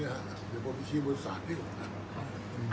อันไหนที่มันไม่จริงแล้วอาจารย์อยากพูด